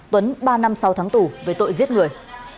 tuấn ba năm sáu tháng tù về tội giết người